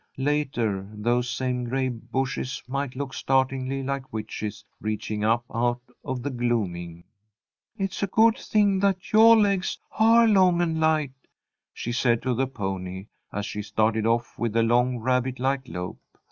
Later, those same gray bushes might look startlingly like witches reaching up out of the gloaming. "It's a good thing that yoah legs are long and light," she said to the pony, as he started off with a long, rabbit like lope.